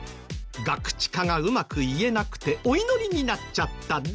ガクチカがうまく言えなくてお祈りになっちゃった。